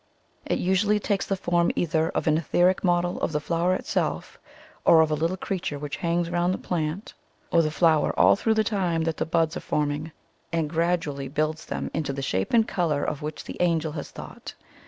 It usually takes the form either of an etheric model of the flower itself or of a little crea ture which hangs round the plant or the 187 THE COMING OF THE FAIRIES flower all through the tirae that the buds are forming, and gradually builds them into the shape and colour of which the angel has thought.